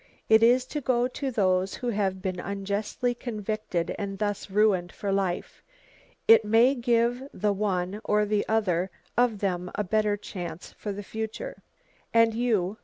It is to go to those who have been unjustly convicted and thus ruined for life. It may give the one or the other of them a better chance for the future." "And you?